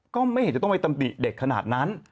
ก็ไม่เห็นจะต้องไปตำหนิเด็กขนาดนั้น